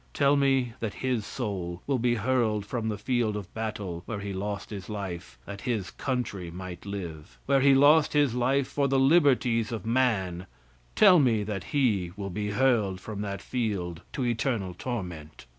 Tell me that his soul will be hurled from the field of battle where he lost his life that his country might live where he lost his life for the liberties of man tell me that he will be hurled from that field to eternal torment!